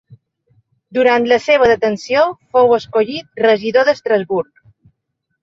Durant la seva detenció fou escollit regidor d'Estrasburg.